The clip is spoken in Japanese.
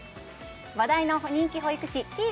話題の人気保育士てぃ